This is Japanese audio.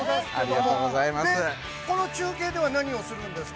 で、この中継では何をするんですか？